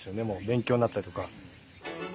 勉強になったりとか。